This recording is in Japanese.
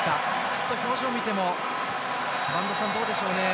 ちょっと表情を見てもどうでしょうね。